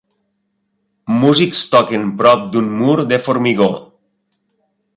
Músics toquen prop d'un mur de formigó.